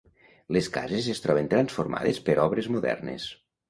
Les cases es troben transformades per obres modernes.